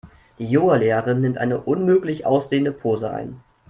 Die Yoga-Lehrerin nimmt eine unmöglich aussehende Pose ein.